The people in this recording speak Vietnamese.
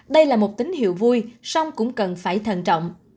đây là một tín hiệu vui song cũng cần phải thần trọng